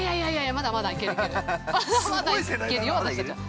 まだまだ行けるよ、私たちは。